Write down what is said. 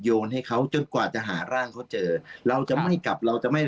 โยนให้เขาจนกว่าจะหาร่างเขาเจอเราจะไม่กลับเราจะไม่